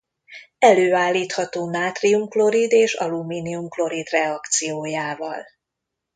Előállítható nátrium-klorid és alumínium-klorid reakciójával.